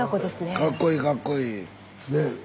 かっこいいかっこいい。